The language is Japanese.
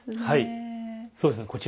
はいそうですね。